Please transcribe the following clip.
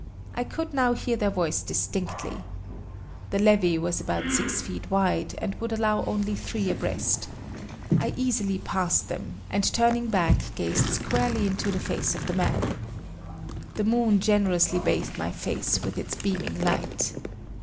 I could now hear their voice distinctly. The levy was about six feet wide, and would allow only three abreast. I easily passed them, and turning back gazed squarely into the face of the man. The moon generously bathed my face with its beaming light.